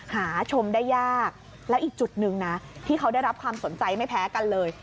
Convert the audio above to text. หาชมได้ยากแล้วอีกจุดหนึ่งนะที่เขาได้รับความสนใจไม่แพ้กันเลย